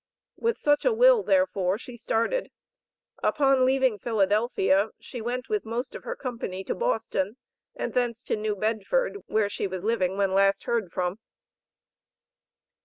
With such a will, therefore, she started. Upon leaving Philadelphia, she went with the most of her company to Boston, and thence to New Bedford, where she was living when last heard from.